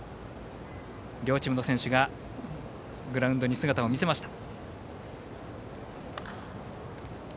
両チームの選手がグラウンドに姿を見せました。